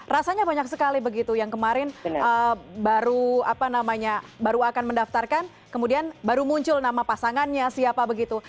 rasanya banyak sekali begitu yang kemarin baru akan mendaftarkan kemudian baru muncul nama pasangannya siapa begitu